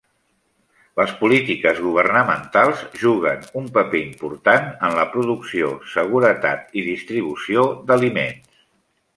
Les polítiques governamentals juguen un paper important en la producció, seguretat i distribució d'aliments.